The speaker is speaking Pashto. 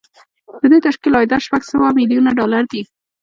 د دې تشکیل عایدات شپږ سوه میلیونه ډالر دي